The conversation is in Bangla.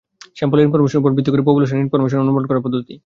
স্যাম্পলের ইনফরমেশনের উপর ভিত্তি করে পপুলেশনের ইনফরমেশন অনুমান করার পদ্ধতি।